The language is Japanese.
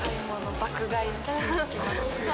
爆買いしに行きます。